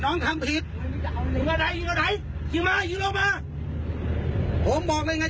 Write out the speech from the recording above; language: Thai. น้องทำผิดหยุดมาหยุดลงมาผมบอกเลยไง